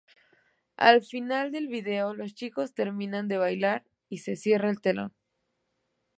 Al final del video los chicos terminan de bailar y se cierra el telón.